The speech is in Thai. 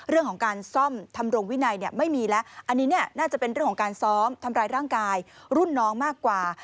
เรื่องของการซ่อมทำรงวินัยไม่มีแล้วอันนี้เนี่ยน่าจะเป็นเรื่องของการซ้อมทำร้ายร่างกายรุ่นน้องมากกว่า